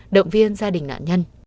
động viên gia đình nạn nhân